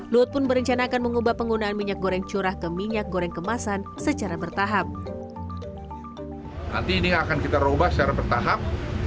luhut pun berencana akan mengubah penggunaan minyak goreng curah ke minyak goreng kemasan secara bertahap